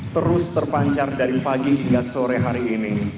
terus terpancar dari pagi hingga sore hari ini